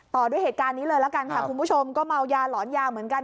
ต่อด้วยเหตุการณ์นี้เลยละกันค่ะคุณผู้ชมก็เมายาหลอนยาเหมือนกัน